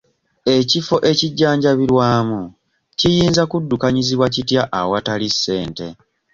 Ekifo ekijjanjabirwamu kiyinza kuddukanyizibwa kitya awatali ssente?